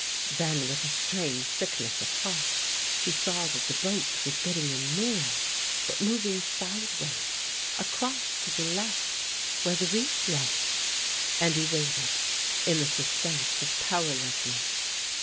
Then with a strange sickness of heart, he saw that the boat was getting in nearer, but moving sideways across to the left, where the reef lay. And he waited, in the suspense of powerlessness.